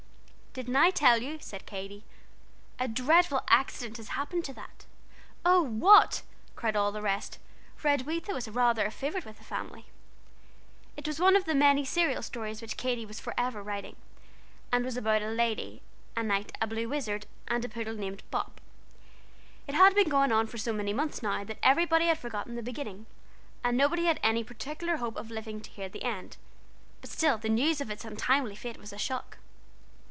"Didn't I tell you?" said Katy; "a dreadful accident has happened to that." "Oh, what?" cried all the rest, for Edwitha was rather a favorite with the family. It was one of the many serial stories which Katy was forever writing, and was about a lady, a knight, a blue wizard, and a poodle named Bop. It had been going on so many months now, that everybody had forgotten the beginning, and nobody had any particular hope of living to hear the end, but still the news of its untimely fate was a shock.